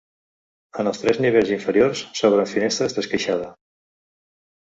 En els tres nivells inferiors s'obren finestres d'esqueixada.